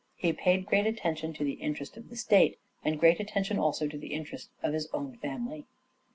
He paid great attention to the interest of the state, and great attention also to the interest of his own family."